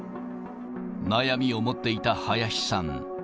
悩みを持っていた林さん。